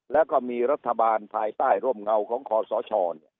แล้วก็มีรัฐบาลภายใต้ร่มเงาของคอสช